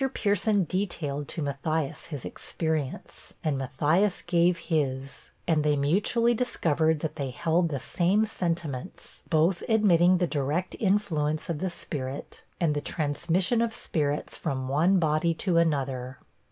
Pierson detailed to Matthias his experience, and Matthias gave his, and they mutually discovered that they held the same sentiments, both admitting the direct influence of the Spirit, and the transmission of spirits from one body to another.